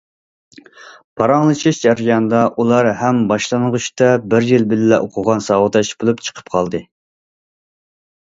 پاراڭلىشىش جەريانىدا ئۇلار ھەم باشلانغۇچتا بىر يىل بىللە ئوقۇغان ساۋاقداش بولۇپ چىقىپ قالدى.